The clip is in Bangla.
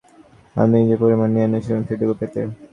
আমি যে পরিমাণ নিয়ে এসেছিলাম সেটুকু পেতে।